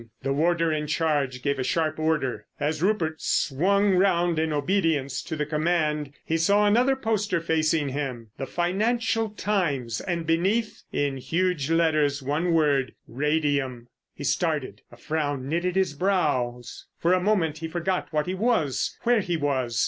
The warder in charge gave a sharp order. As Rupert swung round in obedience to the command he saw another poster facing him, the Financial Times, and beneath in huge letters one word—"RADIUM." He started, a frown knitted his brows. For a moment he forgot what he was, where he was.